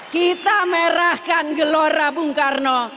kita merahkan gelora bung karno